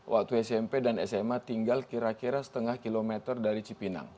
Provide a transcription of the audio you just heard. waktu smp dan sma tinggal kira kira setengah kilometer dari cipinang